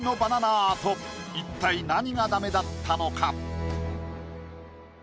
アート一体何がダメだったのか？